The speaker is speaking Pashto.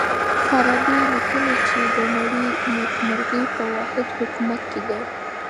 فارابي ليکلي دي چي د نړۍ نېکمرغي په واحد حکومت کي ده.